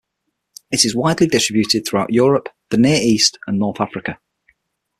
It is widely distributed throughout Europe, the Near East and North Africa.